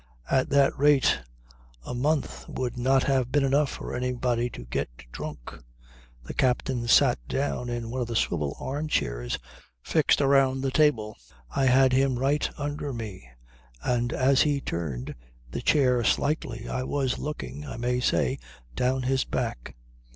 At that rate a month would not have been enough for anybody to get drunk. The captain sat down in one of the swivel arm chairs fixed around the table; I had him right under me and as he turned the chair slightly, I was looking, I may say, down his back.